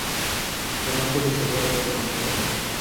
د نخودو شوروا ډیره خوندوره ده.